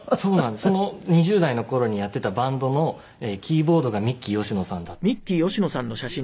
その２０代の頃にやってたバンドのキーボードがミッキー吉野さんだったんですね。